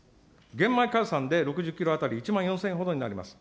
玄米換算で６０キロ当たり１万４０００ほどになります。